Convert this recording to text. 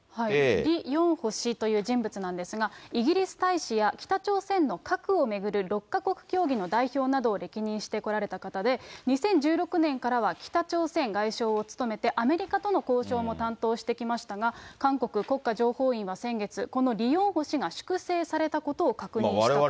リ・ヨンホ氏という人物なんですが、イギリス大使や北朝鮮の核を巡る６か国協議の代表などを歴任してこられた方で２０１６年からは、北朝鮮外相を務めて、アメリカとの交渉も担当してきましたが、韓国国家情報院は先月、このリ・ヨンホ氏が粛清されたことを確認したと。